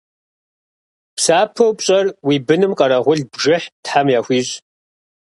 Псапэу пщӏэр уи быным къэрэгъул бжыхь Тхьэм яхуищӏ.